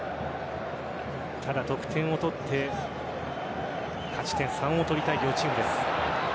ただ、得点を取って勝ち点３を取りたい両チームです。